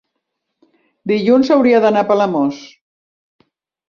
dilluns hauria d'anar a Palamós.